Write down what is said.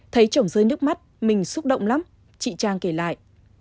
thấy chồng rơi nước mắt mình xúc động lắm chị trang kể lại